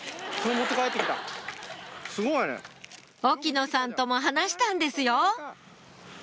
沖野さんとも話したんですよ